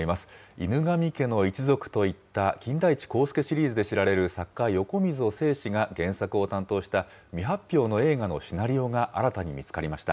犬神家の一族といった金田一耕助シリーズで知られる作家、横溝正史が原作を担当した、未発表の映画のシナリオが新たに見つかりま